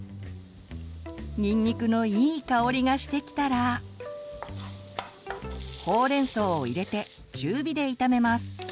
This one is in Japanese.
にんにくのいい香りがしてきたらほうれんそうを入れて中火で炒めます。